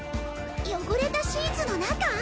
汚れたシーツの中？